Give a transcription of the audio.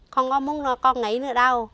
không có muốn con nghỉ nữa đâu